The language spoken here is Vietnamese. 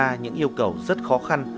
và đặt ra những yêu cầu rất khó khăn